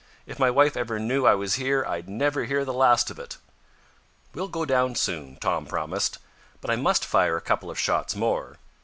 If my wife ever knew I was here I'd never hear the last of it!" "We'll go down soon," Tom promised. "But I must fire a couple of shots more.